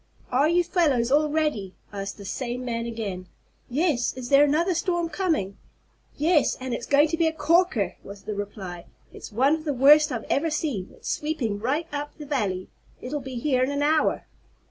"Are you fellows all ready?" asked this same man again. "Yes. Is there another storm coming?" "Yes, and it's going to be a corker!" was the reply. "It's one of the worst I've ever seen. It's sweeping right up the valley. It'll be here in an hour."